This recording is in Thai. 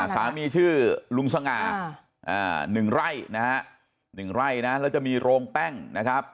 สามีชื่อลุงสะงะ๑ไร่๑ไร่นะโรงแป้งนะครับ